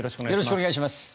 よろしくお願いします。